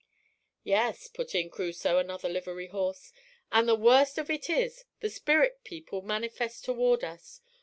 "Yes," put in Crusoe, another livery horse, "and the worst of it is the spirit people manifest toward us.